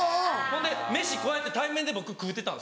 ほんで飯こうやって対面で僕食うてたんですよ。